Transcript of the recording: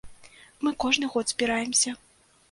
Мы кожны год збіраемся.